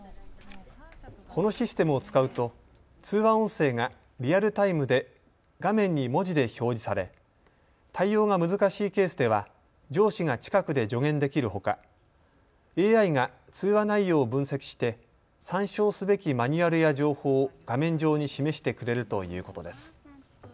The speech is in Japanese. このシステムを使うと通話音声がリアルタイムで画面に文字で表示され、対応が難しいケースでは上司が近くで助言できるほかＡＩが通話内容を分析して参照すべきマニュアルや情報を画面上に示してくれるということです。